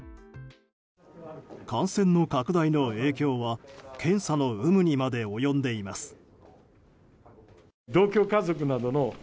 感染の拡大の影響は検査の有無にまで及んでいます。